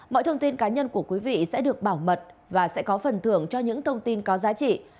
mọi thông tin cá nhân của quý vị sẽ được bảo mật và sẽ có phần thưởng cho những thông tin có giá trị